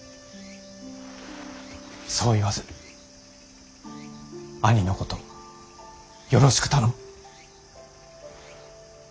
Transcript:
そう言わず兄のことよろしく頼む。